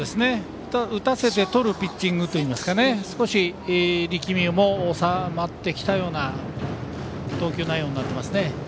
打たせてとるピッチングといいますか少し力みも収まってきたような投球内容になっていますね。